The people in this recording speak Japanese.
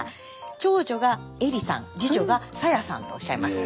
長女が詠理さん次女が彩矢さんとおっしゃいます。